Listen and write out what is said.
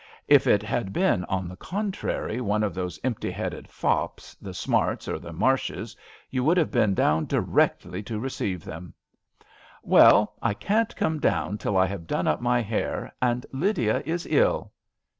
If it had been, on the contrary, one of those empty headed fops, the Smarts or the Marshs, you would have been doMm directly to receive them I "" Well, I can't come down till I have done up my hair, and Lydia is ill."